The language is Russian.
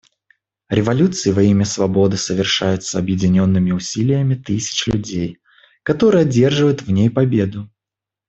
Революции во имя свободы совершаются объединенными усилиями тысяч людей, которые одерживают в ней победу.